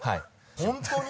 本当に？